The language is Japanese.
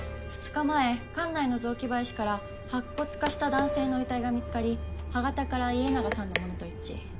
２日前管内の雑木林から白骨化した男性の遺体が見つかり歯形から家長さんのものと一致。